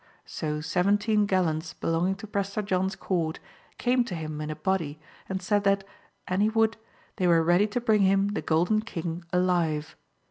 So seventeen gallants belonging to Prester John's Court came to him in a body and said that, an he would, they were ready to bring him the Golden King alive.